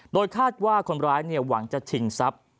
โดยคาดว่าคนร้ายหวังจะชิงทรัพย์